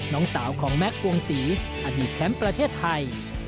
น้องสาวของแม็กซวงศรีอดีตแชมป์ประเทศไทย